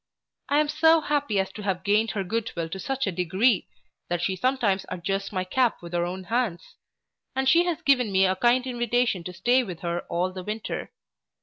I am so happy as to have gained her goodwill to such a degree, that she sometimes adjusts my cap with her own hands; and she has given me a kind invitation to stay with her all the winter.